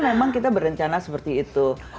memang kita berencana seperti itu